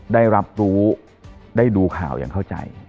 ได้รับรู้ได้ดูข่าวอย่างเข้าใจ